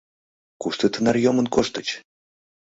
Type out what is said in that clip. — Кушто тынар йомын коштыч?!